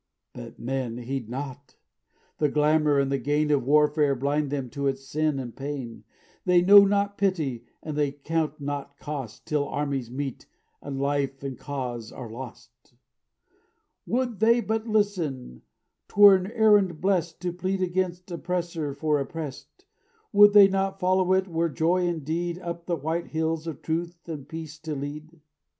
"But men heed not; the glamor and the gain Of warfare blind them to its sin and pain; They know not pity and they count not cost Till armies meet and life and cause are lost. "Would they but listen 'twere an errand blest To plead against oppressor for oppressed; Would they but follow it were joy indeed Up the white hills of truth and peace to lead.